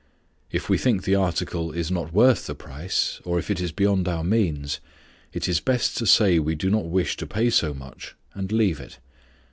If we think the article is not worth the price, or if it is beyond our means, it is best to say we do not wish to pay so much and leave it.